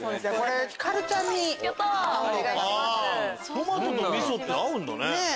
トマトと味噌って合うんだね。